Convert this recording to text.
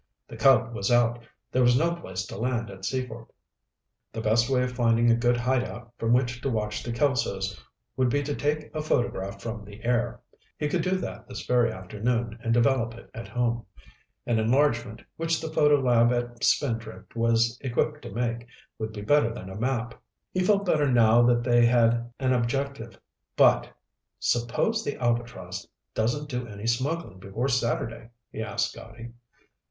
The Cub was out; there was no place to land at Seaford. The best way of finding a good hide out from which to watch the Kelsos would be to take a photograph from the air. He could do that this very afternoon and develop it at home. An enlargement, which the photo lab at Spindrift was equipped to make, would be better than a map. He felt better now that they had an objective. But! "Suppose the Albatross doesn't do any smuggling before Saturday?" he asked Scotty.